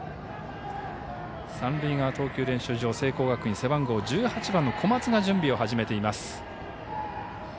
三塁側投球練習場聖光学院、背番号１８番の小松が準備を始めています。